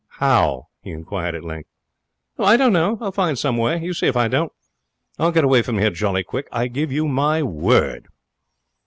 'How?' he inquired, at length. 'I don't know. I'll find some way. You see if I don't. I'll get away from here jolly quick, I give you my word.'